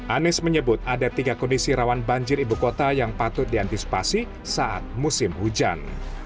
anies menyebut ada tiga kondisi rawan banjir ibu kota yang patut diantisipasi saat musim hujan